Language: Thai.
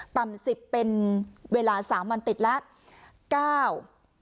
ต่ำ๑๐เป็นเวลา๓วันติดแล้ว